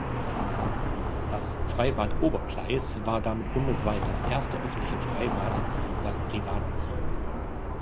Das Freibad Oberpleis war damit bundesweit das erste öffentliche Freibad, das privat betrieben wurde.